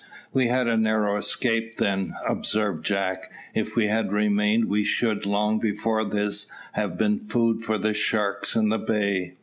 "We had a narrow escape, then," observed Jack. "If we had remained, we should, long before this, have been food for the sharks in the bay."